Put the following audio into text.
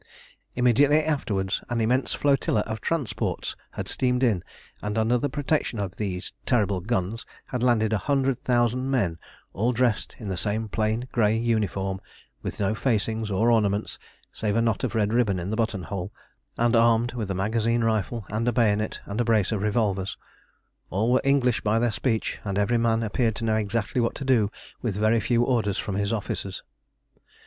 Immediately afterwards an immense flotilla of transports had steamed in, and, under the protection of those terrible guns, had landed a hundred thousand men, all dressed in the same plain grey uniform, with no facings or ornaments save a knot of red ribbon at the button hole, and armed with magazine rifle and a bayonet and a brace of revolvers. All were English by their speech, and every man appeared to know exactly what to do with very few orders from his officers.